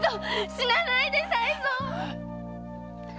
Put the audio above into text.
死なないで才蔵！